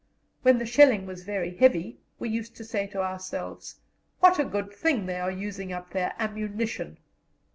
When the shelling was very heavy, we used to say to ourselves, "What a good thing they are using up their ammunition!"